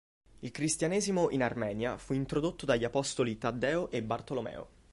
Il cristianesimo in Armenia fu introdotto dagli apostoli Taddeo e Bartolomeo.